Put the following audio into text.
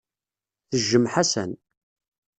Tejjem Ḥasan.